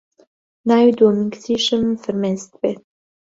ناوی دوهەمین کچیشم فرمێسک بێت